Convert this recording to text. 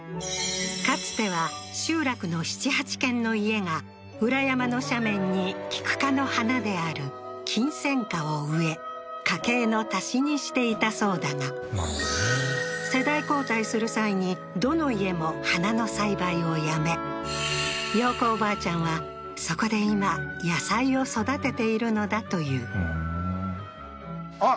かつては集落の７８軒の家が裏山の斜面にキク科の花であるキンセンカを植え家計の足しにしていたそうだが世代交代する際にどの家も花の栽培をやめ洋子おばあちゃんはそこで今野菜を育てているのだというふーんあっ